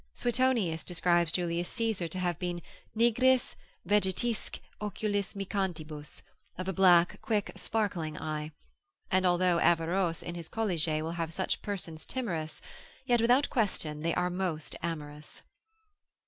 Suetonius describes Julius Caesar to have been nigris vegetisque oculis micantibus, of a black quick sparkling eye: and although Averroes in his Colliget will have such persons timorous, yet without question they are most amorous.